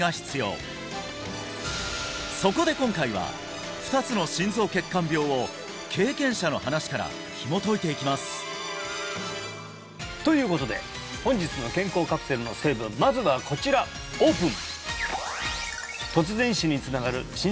そこで今回は２つの心臓血管病を経験者の話からひもといていきますということで本日の健康カプセルの成分まずはこちらオープン！